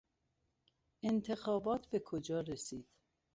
انتخابات به کجا رسید؟